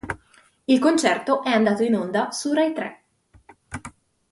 Il concerto è andato in onda su RaiTre.